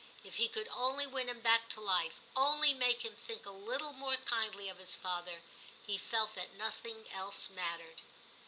If he could only win him back to life, only make him think a little more kindly of his father, he felt that nothing else mattered.